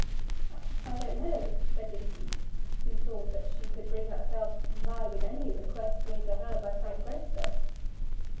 "I don't know," said Lucy, who thought that she could bring herself to comply with any request made to her by Frank Greystock.